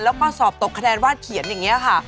แล้วก็สอบตกคะแนนวาดเขียนอย่างนี้ค่ะ